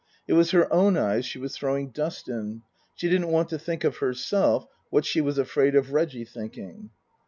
It was her own eyes she was throwing dust in. She didn't want to think of herself what she was afraid of Reggie thinking.